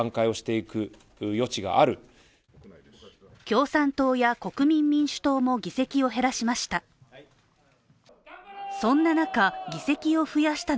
共産党や国民民主党も議席を減らしました。